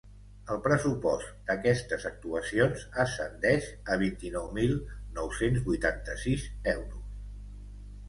El pressupost d’aquestes actuacions ascendeix a vint-i-nou mil nou-cents vuitanta-sis euros.